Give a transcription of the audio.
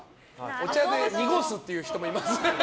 お茶で濁すっていう人もいます。